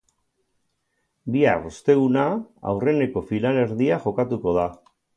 Bihar osteguna aurreneko finalerdia jokatuko da.